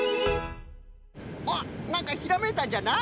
あっなんかひらめいたんじゃな？